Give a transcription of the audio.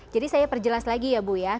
jadi saya perjelas lagi ya bu ya